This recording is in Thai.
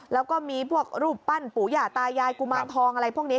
แล้วก็มีพวกรูปปั้นปู่หย่าตายายกุมารทองอะไรพวกนี้